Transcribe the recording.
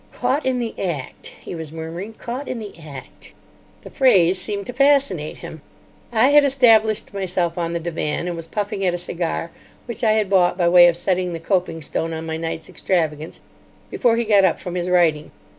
"Caught in the act," he was murmuring. "Caught in the act." The phrase seemed to fascinate him. I had established myself on the divan, and was puffing at a cigar, which I had bought by way of setting the coping stone on my night's extravagance, before he got up from his writing.